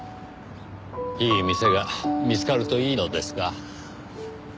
いい店が見つかるといいのですが。